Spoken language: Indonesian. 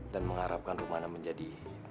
dan mengharapkan rumana menjadi